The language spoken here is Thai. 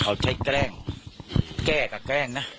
เขาใช้แกล้งแกล้งกับแกล้งนะ